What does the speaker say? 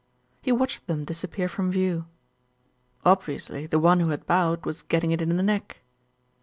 He watched them disappear from view. Obvi ously the one who had bowed was getting it in the neck.